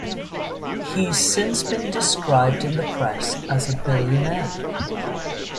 He's since been described in the press as a billionaire.